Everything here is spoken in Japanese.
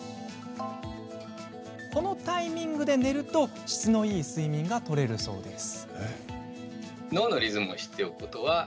このタイミングで寝ると質のいい睡眠がとれるそうですよ。